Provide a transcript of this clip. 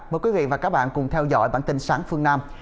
mời quý vị và các bạn cùng theo dõi bản tin sáng phương nam